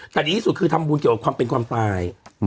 แต่ดีที่สุดคือทำบุญเกี่ยวกับความเป็นความตาย